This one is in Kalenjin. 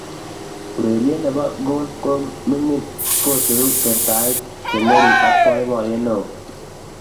Urerie ne golf ne mining kocheruu kertaik che ngering ak boiboyee ne oo.